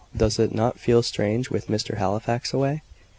Does it not feel strange, with Mr. Halifax away?"